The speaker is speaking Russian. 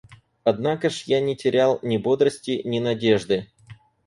Однако ж я не терял ни бодрости, ни надежды.